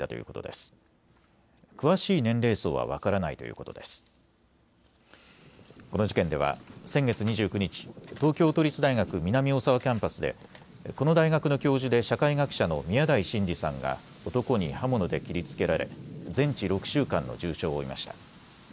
この事件では先月２９日、東京都立大学南大沢キャンパスでこの大学の教授で社会学者の宮台真司さんが男に刃物で切りつけられ全治６週間の重傷を負いました。